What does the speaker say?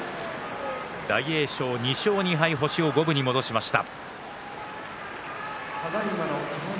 大栄翔、２勝２敗と星を五分に戻しました。